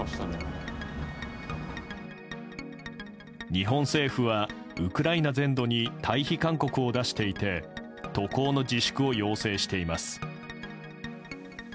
日本政府はウクライナ全土に退避勧告を出していて渡航の自粛を要請しています。